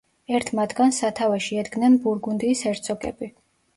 ერთ მათგანს სათავეში ედგნენ ბურგუნდიის ჰერცოგები.